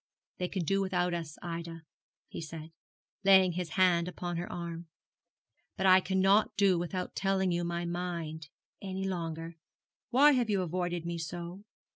'They can do without us, Ida,' he said, laying his hand upon her arm; 'but I cannot do without telling you my mind any longer. Why have you avoided me so?